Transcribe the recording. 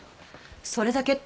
それだけって？